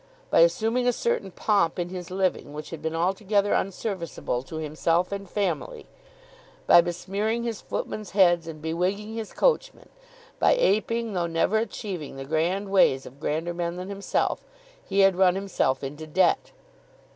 By assuming a certain pomp in his living, which had been altogether unserviceable to himself and family, by besmearing his footmen's heads, and bewigging his coachmen, by aping, though never achieving, the grand ways of grander men than himself, he had run himself into debt.